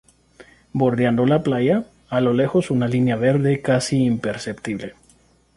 Bordeando la playa, a lo lejos una línea verde casi imperceptible.